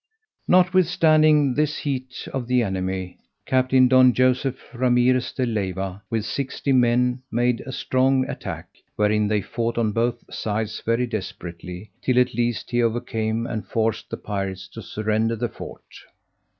Notwithstanding this heat of the enemy, Captain Don Joseph Ramirez de Leyva, with sixty men, made a strong attack, wherein they fought on both sides very desperately, till at last he overcame, and forced the pirates to surrender the fort.